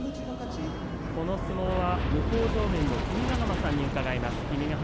この相撲は向正面の君ヶ濱さんに伺います。